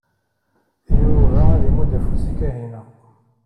Yuba ad imudd afus i Kahina.